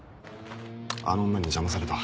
あの女に邪魔された。